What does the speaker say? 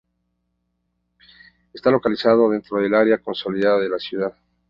Está localizado dentro del área consolidada de la ciudad.